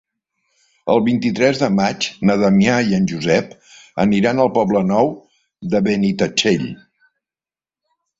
El vint-i-tres de maig na Damià i en Josep aniran al Poble Nou de Benitatxell.